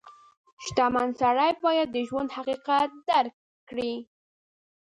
• شتمن سړی باید د ژوند حقیقت درک کړي.